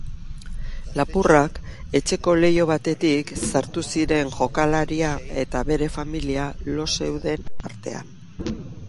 Lapurrak etxeko leiho batetik sartu ziren jokalaria eta bere familia lo zeuden artean.